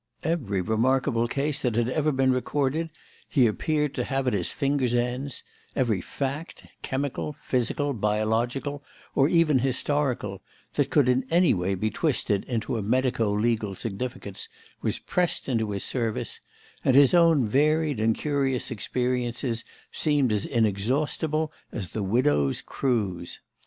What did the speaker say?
Every remarkable case that had ever been recorded he appeared to have at his fingers' ends; every fact chemical, physical, biological, or even historical that could in any way be twisted into a medico legal significance, was pressed into his service; and his own varied and curious experiences seemed as inexhaustible as the widow's cruse.